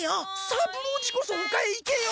三郎次こそほかへ行けよ！